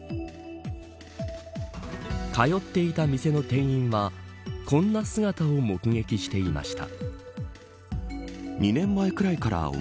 通っていた店の店員はこんな姿を目撃していました。